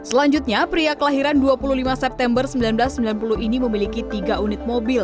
selanjutnya pria kelahiran dua puluh lima september seribu sembilan ratus sembilan puluh ini memiliki tiga unit mobil